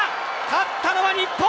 勝ったのは日本。